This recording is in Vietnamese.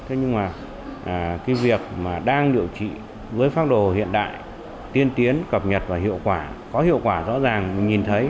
thế nhưng mà cái việc mà đang điều trị với pháp đồ hiện đại tiên tiến cập nhật và hiệu quả có hiệu quả rõ ràng mình nhìn thấy